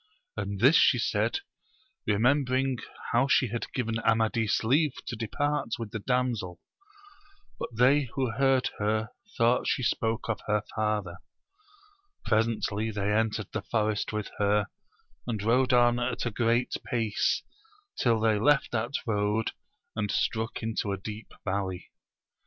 And this she said, remembering how she had given Amadis leave to depart with the damsel; but they who heard her thought she spoke of her father. Pres^iiiUy \Xi«^ eviV^t^^ 'Ocifc V^rt^'^x* ^\!^\iss^ AMADIS OF GAUL. 189 and rode on at a great pace, till they left that road, and struck into a deep valley.'